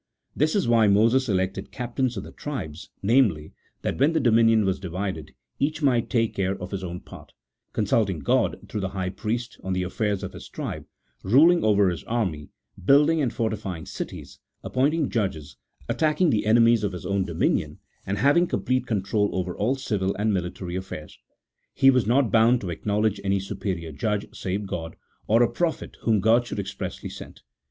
This is why Moses elected captains of the tribes — namely, that when the dominion was divided, each might take care of his own part ; consulting God through the high priest on the affairs of his tribe, ruling over his army, building and fortifying cities, appointing judges, attacking the enemies of his own dominion, and having complete control over all civil and military affairs. He was not bound to acknowledge any superior judge save God, 1 or a prophet whom God should expressly send.